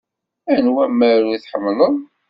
Anwa amaru i tḥemmleḍ?